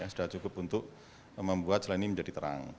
sudah cukup untuk membuat jalan ini menjadi terang